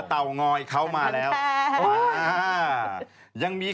ทางภาวะมาอย่างนี้